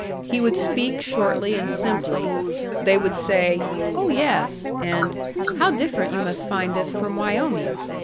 He would speak shortly and simply; they would say, "Oh, yes!" and "How different you must find this from Wyoming!"